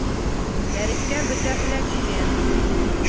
Дәрескә бөтәһе лә килгән.